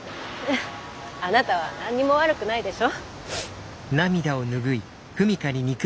あなたは何にも悪くないでしょ？